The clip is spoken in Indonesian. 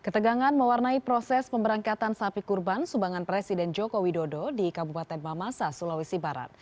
tim liputan cnn indonesia